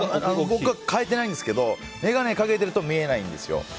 僕は変えてないんですけど眼鏡かけてると見えないんですよ。